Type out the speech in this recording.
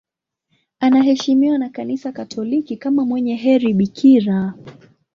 Anaheshimiwa na Kanisa Katoliki kama mwenye heri bikira.